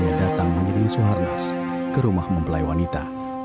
yang datang mengiring suharnas ke rumah mempelai wanita